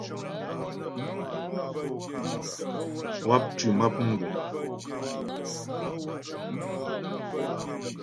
Wáp tʉ́ map mgùŋ.